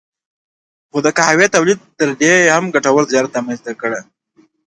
خو د قهوې تولید تر دې هم ګټور تجارت رامنځته کړ.